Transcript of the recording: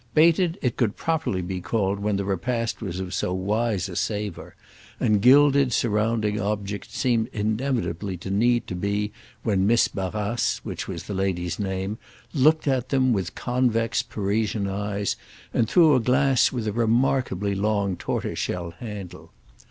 Baited it could properly be called when the repast was of so wise a savour, and gilded surrounding objects seemed inevitably to need to be when Miss Barrace—which was the lady's name—looked at them with convex Parisian eyes and through a glass with a remarkably long tortoise shell handle.